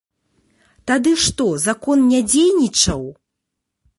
Тады што, закон не дзейнічаў?